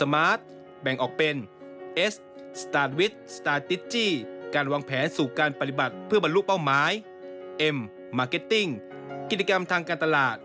มาร์คเก็ตติ้งกิจกรรมทางการตลาด